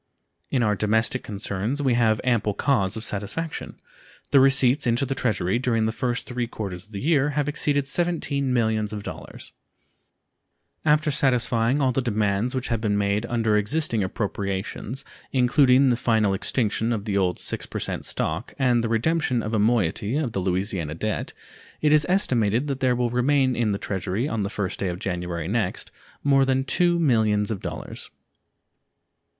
In our domestic concerns we have ample cause of satisfaction. The receipts into the Treasury during the three first quarters of the year have exceeded $17 millions. After satisfying all the demands which have been made under existing appropriations, including the final extinction of the old 6% stock and the redemption of a moiety of the Louisiana debt, it is estimated that there will remain in the Treasury on the 1st day of January next more than $2 millions.